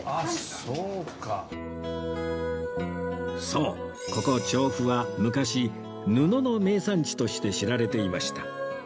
そうここ調布は昔布の名産地として知られていました